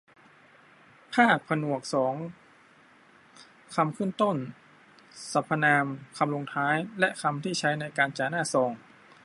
ภาคผนวกสอง คำขึ้นต้น สรรพนาม คำลงท้าย และคำที่ใช้ในการจ่าหน้าซอง